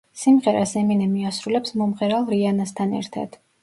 სიმღერას ემინემი ასრულებს მომღერალ რიანასთან ერთად.